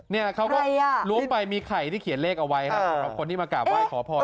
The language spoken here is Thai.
เนี่ยเขาก็รวงไปไหนมีไข่ที่เขียนเลขเอาไว้ของคนที่มากราบไหว้ขอพร